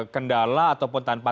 kendala ataupun tanpa